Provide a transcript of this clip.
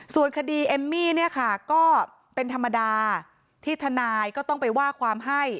ส่วนคดีเอมมี่เนี่ยค่ะก็เป็นธรรมดาที่ทนายก็ต้องไปว่าความให้